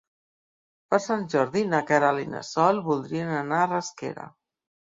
Per Sant Jordi na Queralt i na Sol voldrien anar a Rasquera.